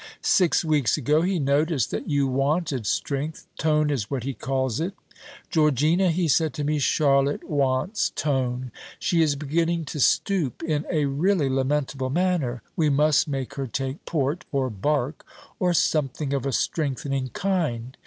Six weeks ago he noticed that you wanted strength tone is what he calls it. 'Georgina,' he said to me, 'Charlotte wants tone. She is beginning to stoop in a really lamentable manner: we must make her take port or bark, or something of a strengthening kind.'